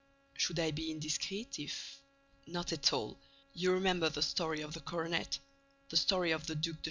"Should I be indiscreet, if—?" "Not at all. You remember the story of the coronet, the story of the Duc de Charmerac?"